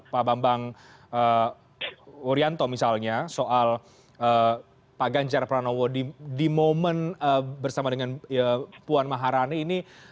pak bambang wuryanto misalnya soal pak ganjar pranowo di momen bersama dengan puan maharani ini